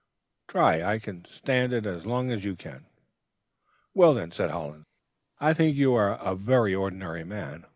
Try! I can stand it as long as you can.' "'Well, then,' said Hollins, 'I think you are a very ordinary man.